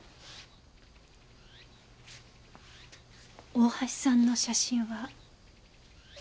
大橋さんの写真は？